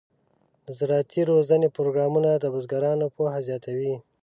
د زراعتي روزنې پروګرامونه د بزګرانو پوهه زیاتوي.